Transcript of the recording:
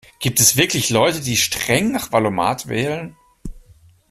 Gibt es wirklich Leute, die streng nach Wahl-o-mat wählen?